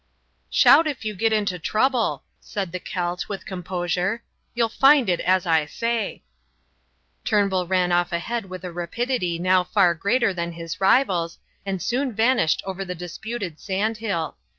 "Shout if you get into trouble," said the Celt, with composure; "you will find it as I say." Turnbull ran off ahead with a rapidity now far greater than his rival's, and soon vanished over the disputed sand hill.